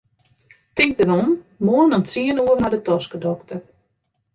Tink derom, moarn om tsien oere nei de toskedokter.